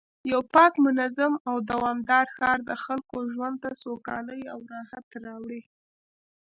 یو پاک، منظم او دوامدار ښار د خلکو ژوند ته سوکالي او راحت راوړي